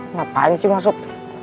ngapain sih masuk